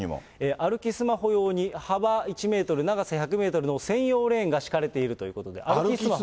歩きスマホ用に幅１メートル、長さ１００メートルの専用レーンが敷かれているということで。